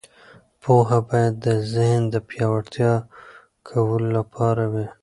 پوهه باید د ذهن د پیاوړي کولو لپاره وي.